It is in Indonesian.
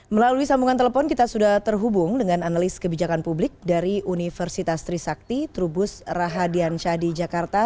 melalui sambungan telepon kita sudah terhubung dengan analis kebijakan publik dari universitas trisakti trubus rahadiansyah di jakarta